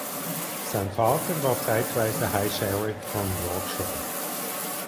Sein Vater war zeitweise High Sheriff von Yorkshire.